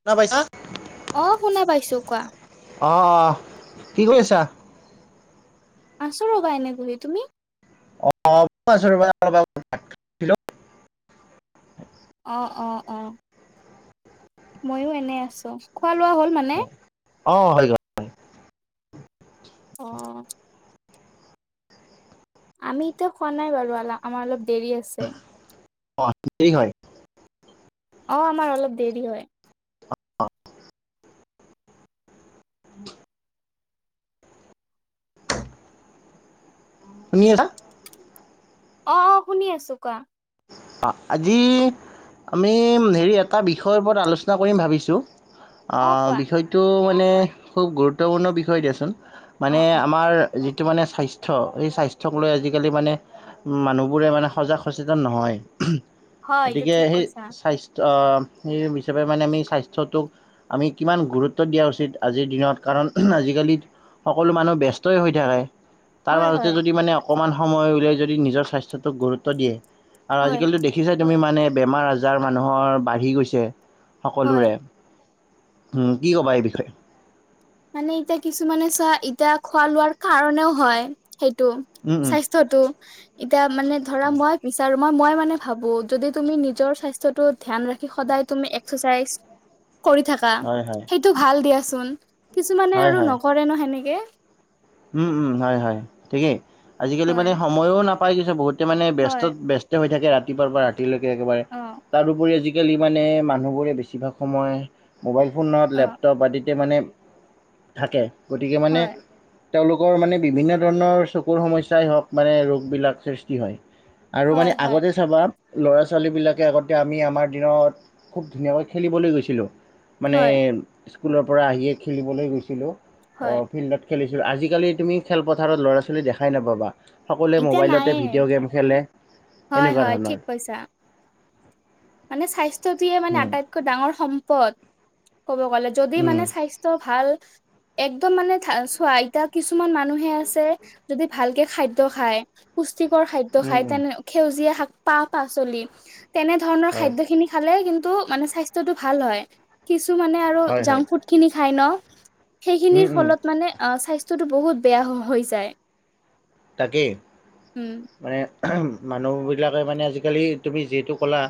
শুনা পাইছা। অ শুনা পাইছো কোৱা। অ অ কি কৰিছা? আছো ৰ'বা এনে বহি তুমি অ ৰবা চোন ৰবা ৰবা অ অ অ মইও এনে আছো খোৱা লোৱা হ'ল মানে। অ হৈ গল। অ আমি এতিয়া খোৱা নাই বাৰু আমাৰ অলপ দেৰি আছে। অ ঠিক হয়। অ আমাৰ অলপ দেৰি হয়। অ তুমিয়ে এ‌কা অ অ শুনি আছো কোৱা। অ আজি আমি হেৰি এটা বিষয়ৰ ওপৰত আলোচনা কৰিম ভাবিছো। অ বিষয়টো মানে খুব গুৰুত্বপূৰ্ণ বিষয় দিয়াচোন অ মানে অ আমাৰ যিটো মানে স্বাস্থ্য, সেই স্বাস্থ্যক লৈ আজিকালি মানে মানুহবোৰে মানে সজাগ সচেতন নহয়, হয় এইটো গতিকে ঠিক সেই কৈছা স্বাস্থ্য সেই হিচাপে মানে আমি স্বাস্থ্যটোক আমি কিমান গুৰুত্ব দিয়া উচিত। আজিৰ দিনত কাৰণ আজিকালি সকলো মানুহ ব্যস্তই হৈ থাকে। তাৰ হয় মাজতে হয় যদি মানে অকণমান সময় উলিয়াই যদি নিজৰ স্বাস্থ্যটোক গুৰুত্ব দিয়ে। আৰু হয় আজিকালিতো দেখিছা তুমি মানে বেমাৰ আজাৰ মানুহৰ বাঢ়ি গৈছে, হয় সকলোৰে। উম, কি ক'বা এই বিষয়ে? মানে এতিয়া কিছুমানে চোৱা এতিয়া খোৱা লোৱাৰ কাৰণেও হয়। সেইটো উম, স্বাস্থ উম, স্বাস্থ্যটো। এতিয়া মানে ধৰা মই বিচাৰো মই-মই মানে ভাবো, যদি তুমি নিজৰ স্বাস্থ্যটো ধ্যান ৰাখি, সদায় তুমি এক্সাৰচাইজ কৰি থাকা। হয় হয় সেইটো ভাল দিয়াচোন কিছুমানে হয় আৰু হয় নকৰে ন সেনেকে। উম, উম, হয়-হয় ঠিকেই। আজিকালি হয় মানে সময়ো নাপায় কিছু বহুতে মানে ব্যস্ত হয় ব্য স্ত হৈ থাকে ৰাতিপুৱাৰ পৰা ৰাতিলৈকে একেবাৰে। অ তাৰপৰি আজিকালি মানে মানুহবোৰে বেছিভাগ সময় মোবাইল ফোন নহয়ত অ লেপটপ আদিত। মানে থাকে, গতিকে মানে হয় তেওঁলোকৰ মানে বিভিন্ন ধৰণৰ চকুৰ সমস্যাই হওক মানে ৰোগবিলাক সৃষ্টি হয়। আৰু মানে হয় হয় আগতে চাবা ল'ৰা-ছোৱালীবিলাকে আগতে আমি আমাৰ দিনত খুব ধুনীয়াকে খেলিবলৈ গৈছিলোঁ। মানে হয় স্কুলৰ পৰা আহিয়ে খেলিবলৈ গৈছিলোঁ হয় ফিল্ডত। খেলিছিলোঁ আজিকালি তুমি খেলপথাৰত ল'ৰা ছোৱালী দেখাই নাপাবা। সকলোৱে এতিয়া মোবাইলতে নায়ে ভিডিঅ' গেম খেলে হয় সেনেকুৱা হয় ধৰণৰ। ঠিক কৈছা মানে স্বাস্থ্যটিয়ে মানে উম, আটাইতকৈ ডাঙৰ সম্পদ ক'ব গ'লে, যদি উম, মানে স্বাস্থ টো ভাল, একদম মানোল চোৱা, এতিয়া কিছুমান মানুহে আছে যদি ভালকে খাদ্য খায়। পুষ্টিকৰ খাদ্য উম, খায়, উম, তেনে সেউজীয়া শাক পাহ পাচলি তেনেধৰণৰ হয় খাদ্য খিনি খালে কিন্তু মানে স্বাস্থ্যতটো ভাল হয়, কিছু মানে আৰু হয় জাংক হয় ফুড খিনি খাই ন। উম, সেইখিনিৰ উম, ফলত মানে অহ, স্বাস্থ্যযটো বহুত বেয়া হৈ যায়। তাকেই, উম মানে মানুহবিলাকে মানে আজিকালি তুমি যিহেতু ক'লা।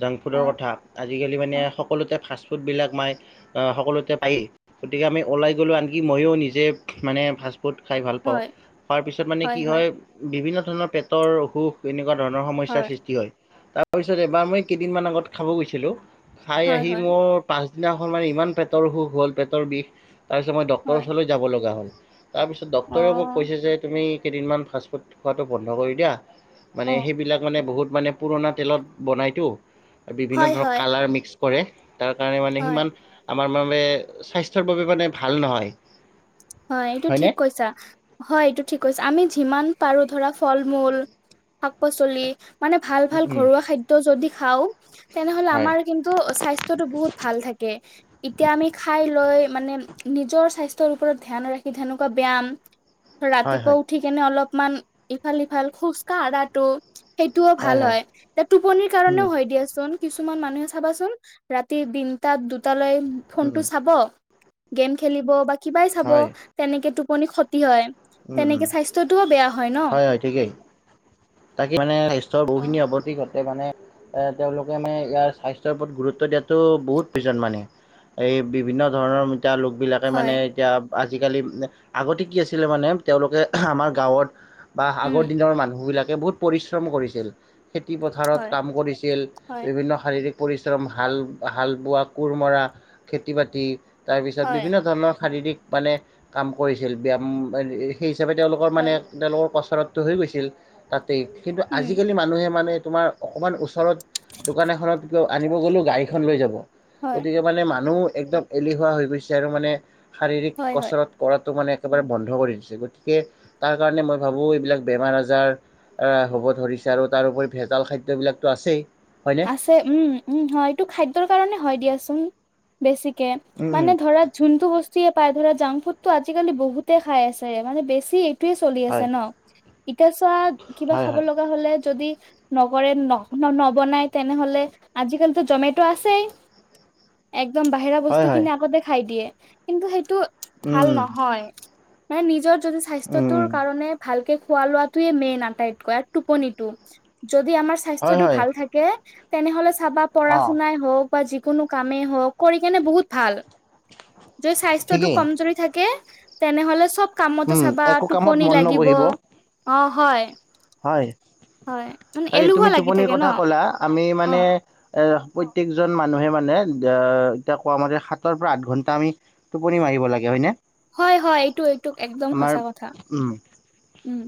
জাংক অ ফুডৰ কথা, আজিকালি মানে অ সকলোতে ফাষ্ট ফুডবিলাক মায় সকলোতে পায়েই, গতিকে আমি ওলাই গ'লো আনকি ময়ো নিজে মানে ফ ফুড খাই ভাল পাওঁ। হয় খোৱাৰ পিছত মানে হয় কি হয় হয় বিভিন্ন ধৰণৰ পেটৰ অসুখ, এনেকুৱা ধৰণৰ সমস্যাৰ সৃষ্টি হয়। তাৰপিছত এবাৰ মই কেইদিনমান আগত খাব গৈছিলোঁ, খাই হয় আহি হয় মোৰ পাছদিনাখন মানে ইমান পেটৰ সুখ হ'ল, পেট বিষ। তাৰপিছত মই ডক্তৰ হয় ওচৰলৈ যাব লগা হ'ল, তাৰপিছত অ ডক্টৰেও মোক কৈছে যে তুমি কেইদিনমান ফাষ্টফুড খোৱাটো বন্ধ কৰি দিয়া, অ মানে সেইবিলাক মানে বহুত মানে পুৰণা তেলত বনাইতো আৰু বিভিন্ন হয় ধৰণৰ হয় কালাৰ মিক্স কৰে। তাৰ কাৰণে মানে হয় সিমান আমাৰ ম স্বাস্থ্যৰ বাবে মানে ভাল নহয়। হয়, এইটো হয়নে? ঠিক কৈছা। হয়, এইটো থিককৈছা, বআমি যিমান পাৰো ধৰা ফল-মূল, শাক-পাচলি, মানে উম, ভাল-ভাল উম, ঘৰুৱা খাদ্য যদি খাওঁ। তেনেহলে হয় আমাৰ কিন্তু স্বাস্থ্যতটো বহুত ভাল থাকে, এতিয়া আমি খাই লৈ মানে নিজৰ স্বাস্থ্যৰ ওপৰত ধ্যান ৰাখি তেনেকুৱা ব্যায়াম, হয় ৰাতিপুৱা হয় উ থি কেনে অলপমান ইফাল সিফাল খোজ কাঢ়াটো। সেইটোও ভাল হয়, এ টোপনিৰ উম কাৰণেও হয় দিয়াচোন। কিছুমান মানুহে চাবাচোন ৰাতি তিনটাত দুটালৈ উম ফোনটো চাব, গেম খেলিব বা কিবাই চাব হয় তেনেকে টোপনি ক্ষতি হয়। উম উম তেনেকে স্বাস্থ্যটোও বেয়া হয় ন। তাকে মানে স্বাস্থ্যৰ অ বহুখিনি অৱতি ঘতে মানে এ তেওঁলোকে মানে ইয়াৰ স্বাস্থ্যৰ ওপৰত গুৰুত্ব দিয়াতো বহুত পিজন মানে এই বিভিন্ন ধৰণৰ মিতা লোক বিলাকে হয় মানে এতিয়া আজিকালি আগতে কি আছিলে মানে তেওঁলোকে আমাৰ গাঁৱত বা উম আগৰ দিনৰ মানুহ বিলাকে বহুত পৰিশ্ৰম কৰিছিল। খেতি পথাৰত হয় কাম কৰিছিল হয়, বিভিন্ন শাৰীৰিক পৰিশ্ৰম হাল হাল বোৱা কোৰ মৰা খেতি বাতি তাৰপিছত হয়, বিভিন্ন ধৰণৰ শাৰীৰিক মানে কাম কৰিছিল ব্যায়াম সেই হিচাপে তেওঁলোকৰ মানে হয়, তেওঁলোকৰ কচৰতটো হৈ গৈছিল তাতেই কিন্তু উম, আজিকালি মানুহে মানে তোমাৰ অকণমান ওচৰত দোকান এখনত ক আনিব গ'লেও গাড়ীখন লৈ যাব হয়, গতিকে মানে মানুহ একদম এলেহুৱা হৈ গৈছে আৰু মানে শাৰীৰিক হয়, হয়, কচৰত কৰাটো মানে একেবাৰে বন্ধ কৰি দিছে গতিকে তাৰ কাৰণে মই ভাবোঁ এইবিলাক বেমাৰ আজাৰ আ হ'ব ধৰিছে আৰু তাৰোপৰি ভেজাল খাদ্য বিলাকতো আছেই হয়নে? আছে উম উম হয় এইটো খাদ্যৰ কাৰণে হয় দিয়াচোন বেছিকে উম উম মানে ধৰা যোনটো বস্তুয়ে পায় ধৰা জাংক ফুডটো আজিকালি বহুতে খাই আছে মানে বেছি টোৱে চলি আছে হয় ন, এতিয়া চোৱা কিবা হয় খাব হয় লগ- হলে যদি নগৰে ন নব নাই তেনেহলে আজিকালিতো জমেট আছেই। একদম বাহিৰা হয় বস্তু হয় খিনি আগতে খাই দিয়ে কিন্তু সেইটো ভাল উম নহয়। মানে নিজৰ যদি উম স্বাস্থ্যটোৰ কাৰণে ভালকে খোৱা লোৱাতোয়ে মেইন আটাইতকৈ আৰু টোপনিটো, যদি আমাৰ হয় স্বাস্থ্যটো হয় ভাল থাক- কে তেনেহ'লে চাবা পঢ়া অঁ শুনাই হওঁক বা যিকোনো কামেই হওঁক কৰি কেনে বহুত ভাল। যদি স্বাস্থ্যতটো ঠিকেই কমজৰি থাকে তেনেহলে চব কামতো উম চাবা একো কামত টোপনি মন লাগিব, নবহিব অ হয়। হয় হয় মানে তাকে এলেহুৱা তুমি লাগি টোপনিৰ থাকে ন কথা ক'লা আমি অ মানে এ প্ৰত্যয়েকজন মানুহে মানে এ এতিয়া কোৱামাৰে সাতৰ পৰা আঠ ঘণ্টা আমি টোপনি মাৰিব লাগে হয় নে? হয় হয় এইটো এইটো একদম সচা কথা, উম।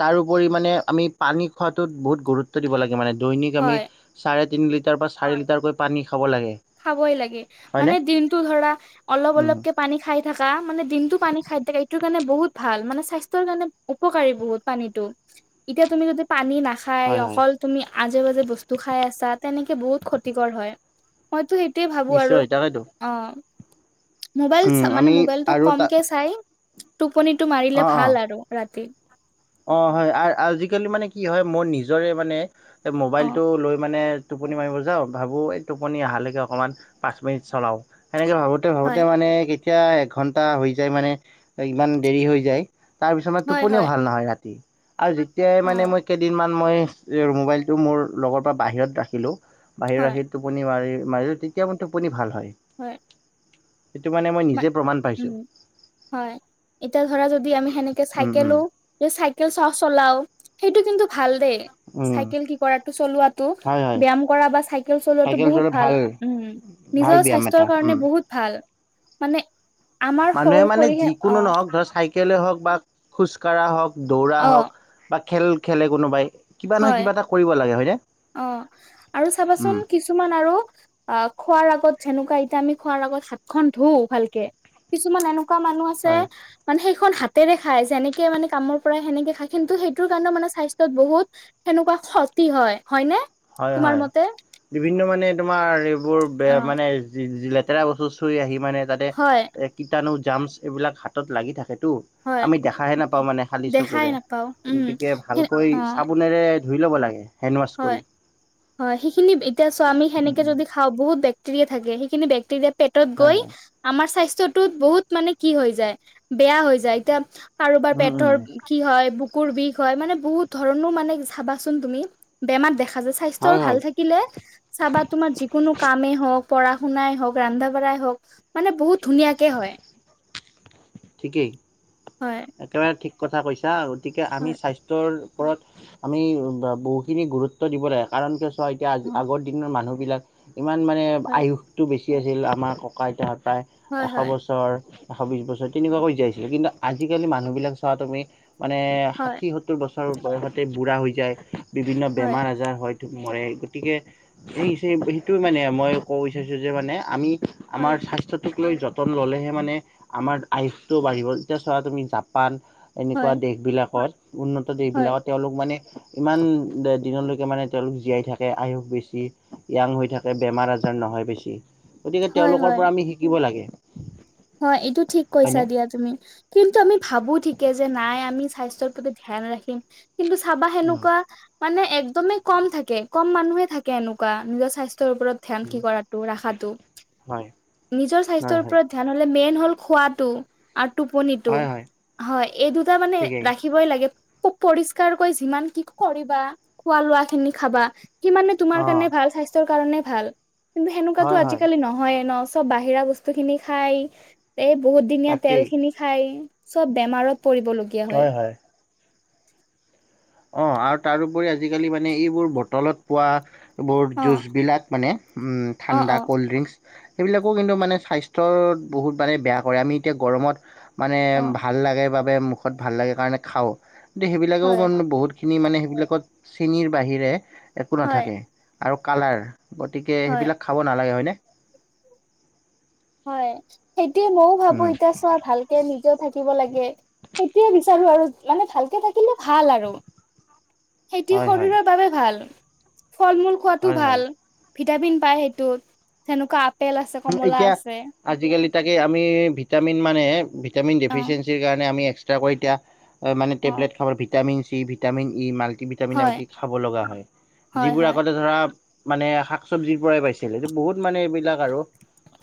তাৰোপৰি মানে আমি পানী খোৱাটোত বহুত গুৰুত্ব দিব লাগে মানে দৈনিক আমি হয়। চাৰে তিনি লিটাৰ বা চাৰি লিটাৰকৈ পানী খাব লাগে। খাবই লাগে হয়নে মানে দিনটো ধৰা অলপ উম অলপকে পানী খাই থাকা, মানে দিনটো পানী খাই থাকা এইটো কাৰণে বহুত ভাল মানে স্বাস্থ্যৰ কাৰণে উপকাৰী বহুত পানীতো, এতিয়া তুমি যদি পানী নাখ- খায় হয় হয় অকল তুমি আজে বাজে বস্তু খাই আছা তেনেকে বহুত ক্ষতিকৰ হয়। মইতো সেইটোয়ে ভাবোঁ আৰু, নিশ্চয় তাকেতো অহ। মোবাইল উম আমি মানে মোবাইলটো আৰু তা কমকে চাই টোপনিটো মাৰিলে অঁ অঁ ভাল আৰু ৰাতি। অ হয়, আজিকালি মানে কি হয় মই নিজৰে মানে অ মোবাইলটো লৈ মানে টোপনি মাৰিব যাওঁ ভাবোঁ এই টোপনি অহালৈকে অকণমান পাঁচ মিনিট চলাওঁ সেনেকৈ ভাবোঁ। ভাবোতে ভাবোতে হয় মানে কেতিয়া এঘণ্টা হৈ যায় মানে ইমান দেৰি হৈ যায়। তাৰ পিছত মানে হয় টোপনিও হয় ভাল নহয় ৰাতি আৰু যেতিয়াই অ মানে মই কেইদিনমান মই মোবাইলটো মোৰ লগৰ পৰা বাহিৰত ৰাখিলোঁ, বাহিৰত হয় ৰাখি টোপনি মাৰি মাৰিলো তেতিয়া মানে টোপনি ভাল হয়। হয়। সেইটো মানে মই নিজে প্ৰমাণ পাইছো। উম হয়, এতিয়া ধৰা যদি আমি সেনেকে উম উম চাইকেলো যে চাইকেল চ চলাও, সেইটো কিন্তু ভাল দেই, উম চাইকেল কি কৰাটো চলোৱাটো। হয় হয় ব্যয়াম কৰা বা চাইকেল চলোৱাটো চাইকেল বহুত চলোৱা ভাল উম, ভাল নিজৰ ব্যায়াম এটা স্বাস্থ্যৰ উম কাৰণে বহুত ভাল। মানে আমাৰ শৰ মানুহে মানে শৰীৰে অ যিকোনো নহওঁক ধৰ চাই- কেলে হওক বা খোজকাঢ়া হওক, দৌৰা অ হওক বা খেল-খেলে কোনোবাই। কিবা নহয় হয়, কিবা এটা কৰিব লাগে হয়নে অ' আৰু উম চাবাচোন কিছুমান আৰু আহ, খোৱাৰ আগত যেনেকুৱা এতিয়া আমি খোৱাৰ আগত হাতখন ধু ভালকে। কিছুমান এনেকুৱা মানুহ আছে হয় মানে সেইখন হাতেৰে খায় যেনেকে মানে কামৰ পৰা সেনেকে খায় কিন্তু সেইটোৰ কাৰণে মানে স্বাস্থ্যত বহুত সেনেকুৱা ক্ষতি হয়, হয়নে? তোমাৰ হয়-হয়, মতে বিভিন্ন মানে তোমাৰ এইবোৰ অ মানে যিলে লেতেৰা বস্তু চুই আহি মানে তাতে হয় কীটাণু, জামচ এইবিলাক হাতত লাগি থাকেতো। হয় আমি দেখাহে নাপাওঁ মানে খালি দেখাই চকুৰে, নাপাও উম গতিকে সে ভালকৈ অ চাবোনেৰে ধুই ল'ব লাগে, হেণ্ড ৱাছ হয় কৰি। হয়, সেইখিনি এতিয়া চোৱা আমি সেনেকে উম উম, যদি খাওঁ, বহুত বেক্টেৰিয়া থাকে। সেইখিনি বেক্টেৰিয়া পেটত হয় গৈ হয় আমাৰ স্বাস্থ্যটোত বহুত মানে কি হৈ যায় বেয়া হৈ যায়, এতিয়া কাৰোবাৰ উম উম পেটৰ কি হয়, বুকুৰ বিষ হয় মানে বহুত ধৰণৰ মানে চাবাচোন তুমি। বেমাৰ দেখা যায়। হয় স্বাস্থ্যৰ ভাল হয় থা থাকিলে চাবা তোমাৰ যিকোনো কামেই হওঁক, পঢ়া শুনাই হওঁক, ৰন্ধা বঢ়াই হওঁক মানে বহুত ধুনীয়াকে হয়। ঠিকেই। হয়। একেবাৰে ঠিক কথা কৈছা, গতিকে আমি হয় স্বাস্থ্যৰ ওপৰত আমি বহুখিনি গুৰুত্ব দিব লাগে, কাৰণ কি চোৱা এতিয়া আজি আগ মানুহবিলাক ইমান মানে হয় আয়ুসটো বেছি আছিল, আমাৰ ককা-আইতাহ হতৰ। হয় এশ হয় বছৰ, এশ বিশ বছৰ তেনেকুৱাকৈ জীয়াই আছিলে কিন্তু আজিকালি মানুহ বিলাক চোৱা তুমি। মানে হয় ষাঠি, সত্তৰ বছৰ বয়সতে বুঢ়া হৈ যায়, বিভিন্ন বেমাৰ আজাৰ হয়। মৰে, গতিকে যি হৈছে সেইটোয়ে মানে মই ক'ব বিচাৰিছোঁ যে মানে আমি আমাৰ হয় স্বাস্থ্যটোক লৈ যতন ল'লেহে মানে আমাৰ আয়ুষটো বাঢ়িব, এতিয়া চোৱা তুমি জাপান, এনেকুৱা হয় দেশবিলাকত উন্নত হয় দেশবিলাকত তেওঁলোক মানে ইমান দিনলৈকে মানে তেওঁলোক জীয়াই থাকে, আয়ুস বেছি। য়াং হৈ থাকে, বেমাৰ আজাৰ নহয় বেছি, গতিকে হয় তেওঁলোকৰ হয় পৰা আমি শিকিব লাগে। হয়, এইটো ঠিক কৈছা হয়নে দিয়া তুমি। কিন্তু আমি ভাবো ঠিকে যে নাই আমি স্বাস্থ্যৰ প্ৰতি ধ্যান ৰাখিম। কিন্তু চাবা উম, সেনেকুৱা। মানে একদমেই কম থাকে, কম মানুহে থাকে এনেকুৱা নিজৰ স্বাস্থ্যৰ ওপৰত। ধান কি উম। কৰাটো ৰাখাটো হয় নিজৰ হয় স্বাস্থ্যৰ হয় ওপৰত। ধানহলে মেইন হ'ল খোৱাটো আৰু টোপনিটো হয় হয় হয়, এই দুটা মানে ঠিকেই ৰাখি। থাকিবই লাগে, পৰিষ্কাৰকৈ যিমান কি কৰিবা খোৱা লোৱা খিনি খাবা। সিমানে তোমাৰ অ কাৰণে ভাল, স্বাস্থ্যৰ কাৰণে ভাল কিন্তু সেনেকুৱাতো হয় হয় আজিকালি নহয়ে ন। চব বাহিৰা বস্তু খিনি খাই, এই বহুত দিনীয়া তেল তাকেই খিনি খাই, চব বেমাৰত পৰিবলগীয়া। হয় হয়-হয়। অ' আৰু তাৰোপৰি আজিকালি মানে এইবোৰ বটলত পোৱা, এইবোৰ অ জুচবিলাক মানে অ অ ঠাণ্ডা ক'ল্ড ড্ৰিংকচ। সেইবিলাকো কিন্তু মানে স্বাস্থ্য বহুত মানে বেয়া কৰে। আমি এতিয়া গৰমত মানে অ ভাল লাগে বাবে মুখত ভাল লাগে কাৰণে খাওঁ। কিন্ত সেইবিলাকেও হয় মানে বহুতখিনি মানে সেইবিলাকত চেনিৰ বাহিৰে একো হয় নাথাকে আৰু কালাৰ। গতিকে হয় সেইবিলাক খাব নালাগে হয়নে। হয়' সেইটয়ে ময়ো ভাবো উম এতিয়া চোৱা ভাল নিজেও থাকিব লাগে, সেইটোয়ে বিচাৰো আৰু মানে ভালকে থাকিলে ভাল আৰু। সেইটো হয় হয় শৰীৰৰ বাবে ভাল, ফল-মূল খোৱাাতটো হয় ভাল। হয় ভিটামিন পাই সেইটোত, তেনেকুৱা আপেল আছে, কমলা এতিয়া আছে। আজিকালি তাকে আমি ভিটামিন মানে ভিটামিন অ ডেফিচিয়েঞ্চিৰ কাৰণে আমি এক্স তাক এতিয়া মানে অ টেবলেট খাব vitamin C, vitamin E, multi vitamin হয় আদি খাব লগা হয় হয় যিবোৰ হয় আগতে ধৰা মানে শাক -চব্জিৰ পৰাই পাইছিল এইটো বহুত মানে এইবিলাক আৰু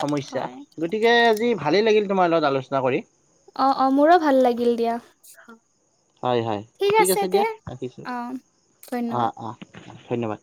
সমস্যা হয় গতিকে আজি ভালেই লাগিল তোমাৰ লগত আলোচনা কৰি। অ', অ', মোৰো ভাল লাগিল দিয়া। হয়- হয় ঠিক আছে দিয়া ৰাখিছোঁ অ ধন্যবাদ অ', অ', অ', ধন্যবাদ।